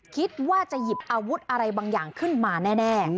คิดว่าจะหยิบอาวุธอะไรบางอย่างขึ้นมาแน่